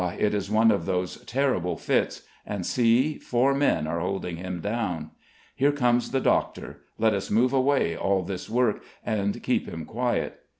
it is one of those terrible fits; and see, four men are holding him down. Here comes the doctor; let us move away all this work, and keep him quiet.